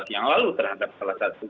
yang lalu terhadap salah satu